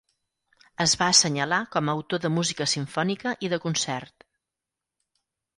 Es va assenyalar com a autor de música simfònica i de concert.